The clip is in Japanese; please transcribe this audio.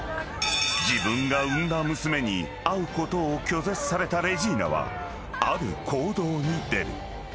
［自分が産んだ娘に会うことを拒絶されたレジーナはある行動に出る。